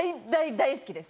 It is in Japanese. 大好きです。